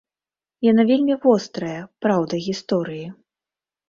Яна вельмі вострая, праўда гісторыі.